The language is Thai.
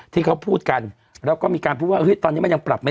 ที่เขาพูดกันแล้วก็มีการพูดว่าเฮ้ยตอนนี้มันยังปรับไม่